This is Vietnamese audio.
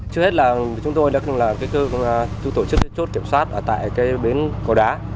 trước hết là chúng tôi đã tổ chức chốt kiểm soát tại bến cầu đá